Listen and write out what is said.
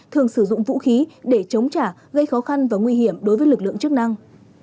thường sử dụng vũ khí để chống trả gây khó khăn và nguy hiểm đối với lực lượng chức năng